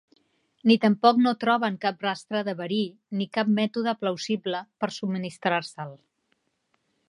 Ni tampoc no troben cap rastre de verí ni cap mètode plausible per subministrar-se'l.